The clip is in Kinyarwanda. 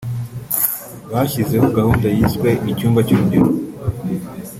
bashyizeho gahunda yiswe “Icyumba cy’urubyiruko”